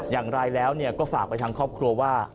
อย่างไรแล้วก็ฝากไปทางครอบครัวว่า